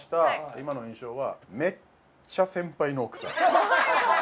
今の印象はめっちゃ先輩の奥さんどういうこと？